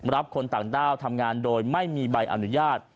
คนต่างด้าวทำงานโดยไม่มีใบอนุญาต